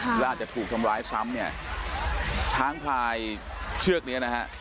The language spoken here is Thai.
แล้วอาจจะถูกทำร้ายซ้ำเนี่ยช้างพลายเชือกเนี้ยนะฮะ